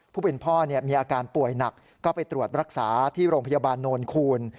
ผู้เป็นพ่อมีอาการป่วยหนักก็ไปตรวจรักษาที่โรงพยาบาลโนนคูณ